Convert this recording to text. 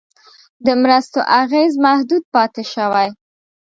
د مرستو اغېز محدود پاتې شوی.